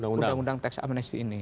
undang undang teks amnesty ini